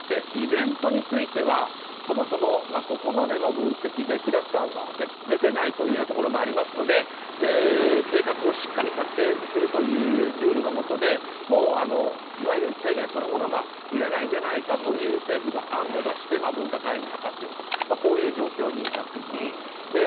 イベントについてはそもそもここまでの分析でクラスターが出ていないというところもありますので計画をしっかり策定するというルールのもとでいわゆる制限そのものがいらないんじゃないのかという政府が案を出して分科会に諮っているとこういう状況になっています。